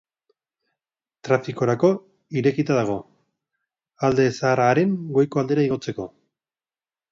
Trafikorako irekita dago, Alde Zaharraren goiko aldera igotzeko.